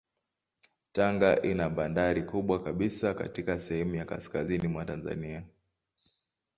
Tanga ina bandari kubwa kabisa katika sehemu ya kaskazini mwa Tanzania.